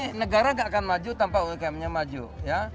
ini negara nggak akan maju tanpa umkm nya maju ya